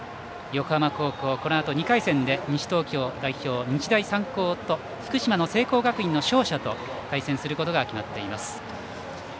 横浜高校、このあと２回戦で西東京代表、日大三高と福島の聖光学院の勝者と対戦することが決まっています。